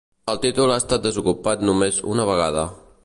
El títol ha estat desocupat només una vegada.